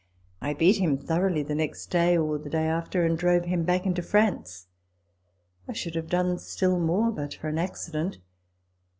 I beat him thoroughly the next day* or the day after, and drove him back into France. I should have done still more but for an accident.